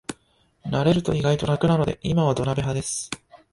慣れると意外と楽なので今は土鍋派です